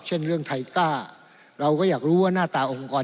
เช่นเรื่องไทก้าเราก็อยากรู้ว่าหน้าตาองค์กร